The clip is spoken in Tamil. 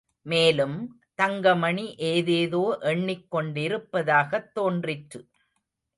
மேலும், தங்கமணி ஏதேதோ எண்ணிக் கொண்டிருப்பதாகத் தோன்றிற்று.